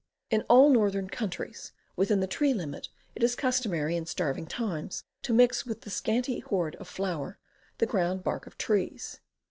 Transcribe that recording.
In all northern countries, within the tree limit, it is customary, in starving times, to mix with the scanty hoard of flour the ground bark of trees.